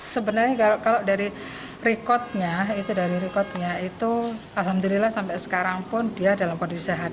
sebenarnya kalau dari rekodnya itu alhamdulillah sampai sekarang pun dia dalam kondisi sehat